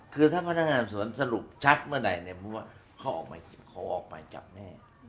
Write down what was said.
คือถ้าพนักงานศัพท์สรุปชัดเมื่อใดคือเขาออกมาจับแน่